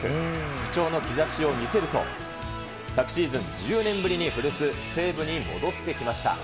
復調の兆しを見せると、昨シーズン、１４年ぶりに古巣、西武に戻ってきました。